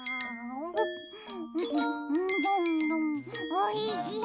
おいしい！